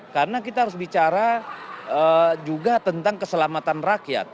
karena kita harus bicara juga tentang keselamatan rakyat